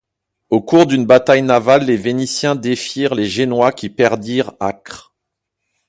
Au cours d'une bataille navale, les vénitiens défirent les génois, qui perdirent Acre.